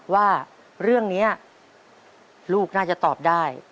ว่าเรื่องนี้ลูกน่าจะตอบได้